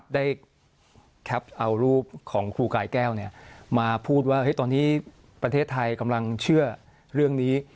แคปเอารูปของครูกายแก้วมาพูดว่าตอนนี้ประเทศไทยกำลังเชื่อเรื่องนี้